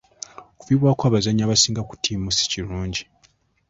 Okuviibwako abazannyi abasinga ku ttiimu si kirungi.